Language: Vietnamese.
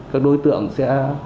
các đối tượng sẽ